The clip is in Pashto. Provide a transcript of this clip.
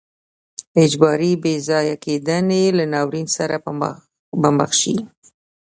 اجباري بې ځای کېدنې له ناورین سره به مخ شي.